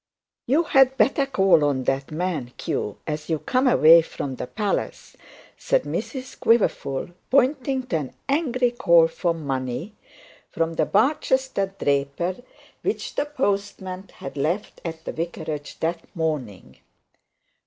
'You had better call on that man, Q, as you come away from the palace,' said Mrs Quiverful, pointing to an angry call for money from the Barchester draper, which the postman had left at the vicarage that morning.